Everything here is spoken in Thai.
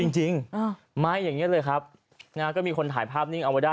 จริงจริงไม้อย่างนี้เลยครับนะฮะก็มีคนถ่ายภาพนิ่งเอาไว้ได้